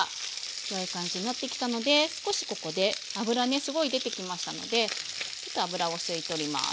このような感じになってきたので少しここで脂ねすごい出てきましたのでちょっと脂を吸い取ります。